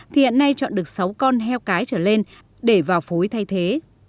thì hiện nay chọn được sáu con heo cái trở lên để vào phối thay thế